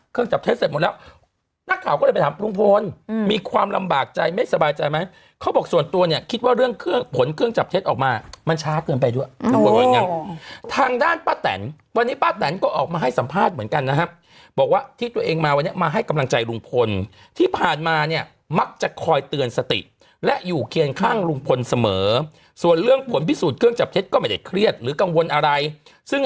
กับลุงพลมีความลำบากใจไม่สบายใจไหมเขาบอกส่วนตัวเนี่ยคิดว่าเรื่องเครื่องผลเครื่องจับเท็จออกมามันช้าเกินไปด้วยทางด้านป้าแต่นวันนี้ป้าแต่นก็ออกมาให้สัมภาษณ์เหมือนกันนะครับบอกว่าที่ตัวเองมาวันนี้มาให้กำลังใจลุงพลที่ผ่านมาเนี่ยมักจะคอยเตือนสติและอยู่เคียนข้างลุงพลเสมอส่วนเรื่องผลพิส